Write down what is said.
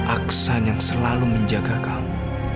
aksan yang selalu menjaga kamu